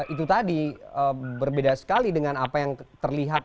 itu tadi berbeda sekali dengan apa yang terlihat